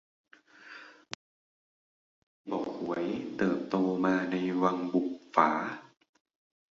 ส่วนฮวยบ่อข่วย เติบโตมาในวังบุปฝา